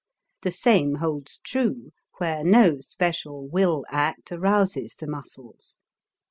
The same holds true where no special will act arouses the muscles.